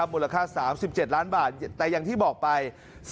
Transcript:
มูลค่า๓๗ล้านบาทแต่อย่างที่บอกไป